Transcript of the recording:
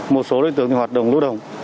một số đối tượng hoạt động lũ đồng